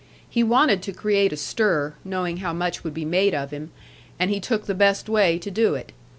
He wanted to create a stir (knowing how much would be made of him), and he took the best way to do it.